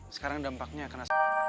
sekarang dampaknya kena